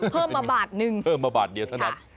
เพิ่ม๑บาทหนึ่งเพิ่ม๑บาทเดียวสักนัด